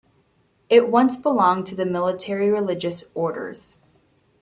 It once belonged to the military-religious orders.